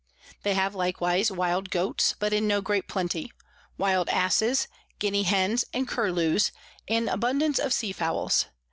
They have likewise wild Goats, but in no great plenty; wild Asses, Guinea Hens and Kerlews, and abundance of Sea Fowls.